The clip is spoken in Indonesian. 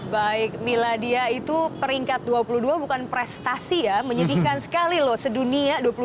baik miladia itu peringkat dua puluh dua bukan prestasi ya menyedihkan sekali loh sedunia dua puluh dua